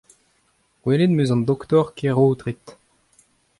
Gwelet em eus an doktor Keraotred.